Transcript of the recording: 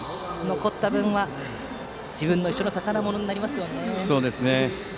残った分は自分の一生の宝物になりますよね。